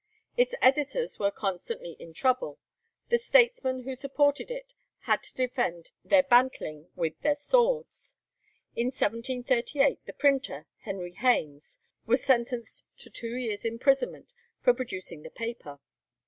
Its editors were constantly in trouble; the statesmen who supported it had to defend their bantling with their swords. In 1738 the printer, Henry Haines, was sentenced to two years' imprisonment for producing the paper.